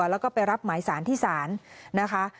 แล้วก็ไปรับหมายสารที่ศาลนะคะ